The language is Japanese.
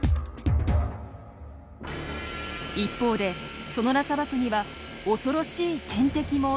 一方でソノラ砂漠には恐ろしい天敵もたくさんいます。